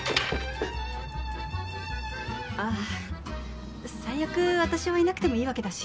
あ最悪私はいなくてもいいわけだし。